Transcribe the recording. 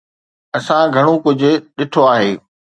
اسان گهڻو ڪجهه ڏٺو آهي.